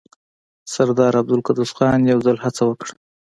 سردار عبدالقدوس خان يو ځل هڅه وکړه.